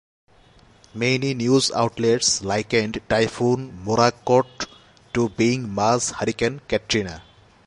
Many news outlets likened Typhoon Morakot to being Ma's Hurricane Katrina.